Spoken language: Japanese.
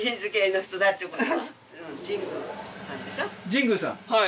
神宮さん？